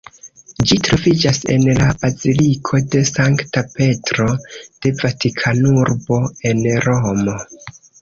Ĝi troviĝas en la Baziliko de Sankta Petro de Vatikanurbo en Romo.